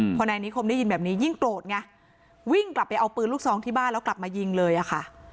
พอนายนิคมได้ยินแบบนี้ยิ่งโกรธไงวิ่งกลับไปเอาปืนลูกซองที่บ้านแล้วกลับมายิงเลยอะค่ะ